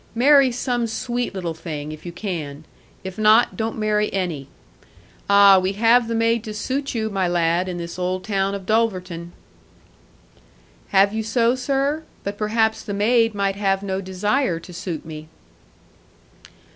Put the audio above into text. Marry some sweet little thing, if you can. If not, don't marry any. Ah, we have the maid to suit you, my lad, in this old town of Dulverton.' 'Have you so, sir? But perhaps the maid might have no desire to suit me.'